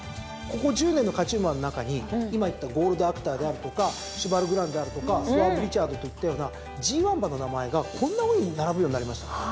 ここ１０年の勝ち馬の中に今言ったゴールドアクターであるとかシュヴァルグランであるとかスワーヴリチャードといったようなＧⅠ馬の名前がこんなふうに並ぶようになりました。